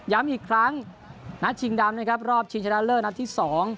อีกครั้งนัดชิงดำนะครับรอบชิงชนะเลิศนัดที่สอง